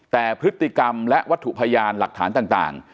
แต่พฤติกรรมและวัตถุพยานหลักฐานต่าง